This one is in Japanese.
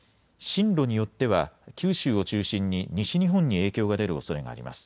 進路によっては九州を中心に西日本に影響が出るおそれがあります。